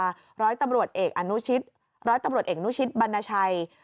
หรือตำรวจเอกอาณุชิตรอตบลงอักนู่ชิศบรรณชาย